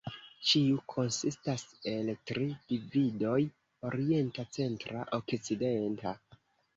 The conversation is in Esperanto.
Ĉiu konsistas el tri dividoj: Orienta, Centra, Okcidenta.